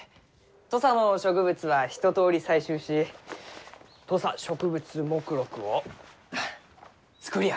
土佐の植物は一とおり採集し土佐植物目録を作り上げました。